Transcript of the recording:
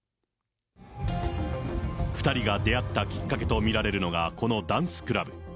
２人が出会ったきっかけと見られるのがこのダンスクラブ。